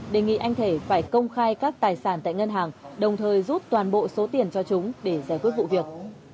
đề nghị anh thể phải công khai các tài sản tại ngân hàng đồng thời rút toàn bộ số tiền cho chúng để giải quyết vụ việc